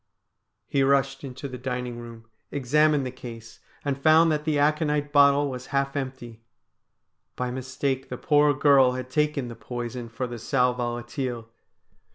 He rushed into the dining room, THE PIPER OF CULL ODE N 67 examined the case, and found that the aconite bottle was half empty. By mistake the poor girl had taken the poison for the sal volatile.